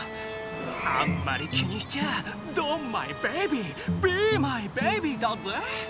あんまり気にしちゃドンマイベイビービーマイベイビーだぜ。